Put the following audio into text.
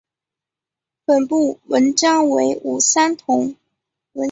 本部纹章为五三桐。